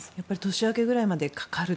年明けぐらいまでかかると。